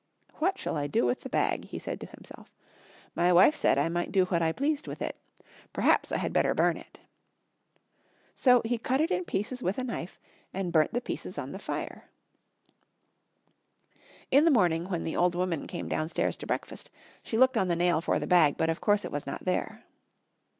"What shall I do with the bag?" he said to himself. "My wife said I might do what I pleased with it. Perhaps I had better burn it." So he cut it in pieces with a knife, and burnt the pieces on the fire. [Illustration: Burnt the pieces on the fire.] In the morning when the old woman came downstairs to breakfast she looked on the nail for the bag, but of course it was not there.